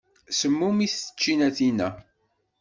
Semmumit tčinatin-a.